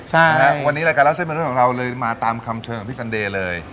ใช่วันนี้ละการเล่าเส้นเมนูของเราเลยมาตามคำเชิญของพี่สันเดย์เลย